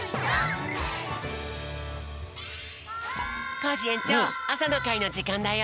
コージえんちょうあさのかいのじかんだよ。